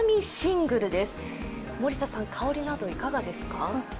森田さん、香りなどいかがですか？